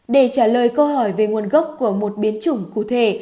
để trả lời câu hỏi về nguồn gốc của một biến chủng cụ thể